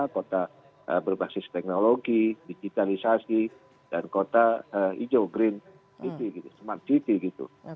kota berbasis teknologi digitalisasi dan kota hijau green smart city gitu